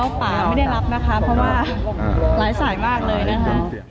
ป่าไม่ได้รับนะคะเพราะว่าหลายสายมากเลยนะคะ